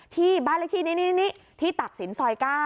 ที่บ้านละที่นี่นี่นี่ที่ตัดศีลซอย๙